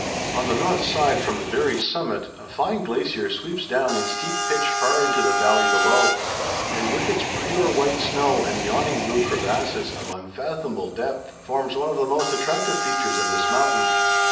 On the north side, from the very summit, a fine glacier sweeps down in steep pitch far into the valley below and with its pure white snow and yawning blue crevasses of unfathomable depth, forms one of the most attractive features of this mountain.